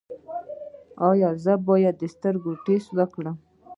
ایا زه باید د سترګو ټسټ وکړم؟